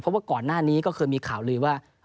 เพราะว่าก่อนหน้านี้ก็เคยมีข่าวลือว่า